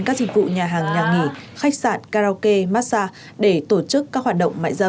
các dịch vụ nhà hàng nhà nghỉ khách sạn karaoke massage để tổ chức các hoạt động mại dâm